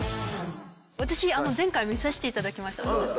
私前回見させて頂きました。